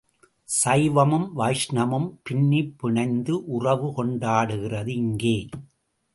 சைவமும், வைஷ்ணமும் பின்னிப் பிணைந்து உறவ கொண்டாடுகிறது இங்கே.